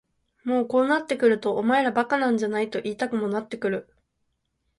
もうこうなってくるとお前ら馬鹿なんじゃないと言いたくもなってくる。